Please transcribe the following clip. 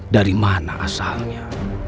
dari mana asalnya